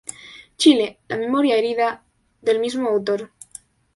Chile, la memoria herida" del mismo autor.